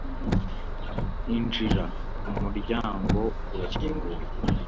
injira, umuryango urakinguye